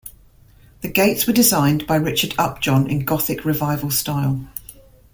The gates were designed by Richard Upjohn in Gothic Revival style.